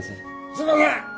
すいません！